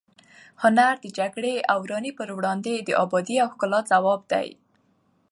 هنر د جګړې او ورانۍ پر وړاندې د ابادۍ او ښکلا ځواب دی.